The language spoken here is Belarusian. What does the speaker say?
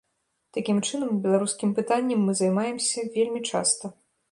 Такім чынам, беларускім пытаннем мы займаемся вельмі часта.